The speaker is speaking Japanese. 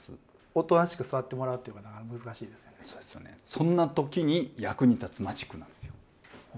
そんな時に役に立つマジックなんですよ。